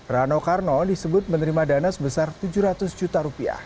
rano karno disebut menerima dana sebesar tujuh ratus juta rupiah